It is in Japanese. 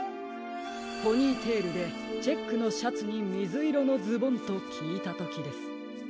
ポニーテールでチェックのシャツにみずいろのズボンときいたときです。